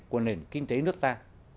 của nền kinh tế nước ta